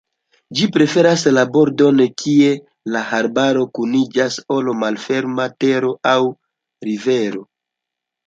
Ĝi preferas la bordojn kie la arbaro kuniĝas al malferma tero aŭ rivero.